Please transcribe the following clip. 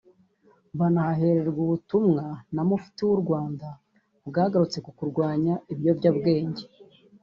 banahahererwa ubutumwa na Mufti w’u Rwanda bwagarutse ku kurwanya ibiyobyabwenge